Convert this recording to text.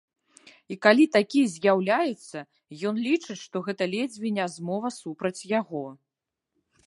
І калі такія з'яўляюцца, ён лічыць, што гэта ледзьве не змова супраць яго.